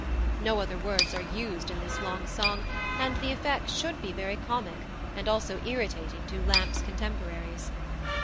No other words are used in this long song, and the effect should be very comic, and also irritating to Lampe's contemporaries.